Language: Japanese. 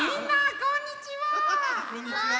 こんにちは！